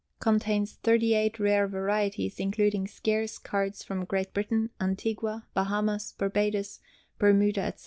Contains 38 rare varieties, including scarce Cards from Great Britain, Antigua, Bahamas, Barbados, Bermuda, etc.